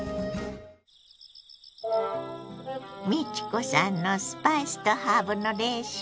美智子さんのスパイスとハーブのレシピ。